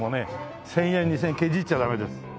１０００円２０００円ケチっちゃダメです。